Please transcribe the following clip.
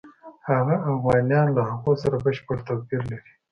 هغه اوغانیان له هغو سره بشپړ توپیر لري.